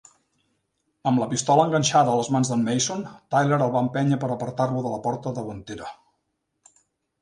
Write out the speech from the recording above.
Amb la pistola enganxada a les mans de"n Mason, Tyler el va empènyer per apartar-lo de la porta davantera.